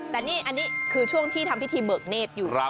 แต่นี่อันนี้คือช่วงที่ทำพิธีเบิกเนธอยู่